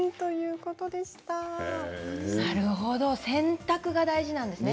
なるほど、洗濯が大事なんですね。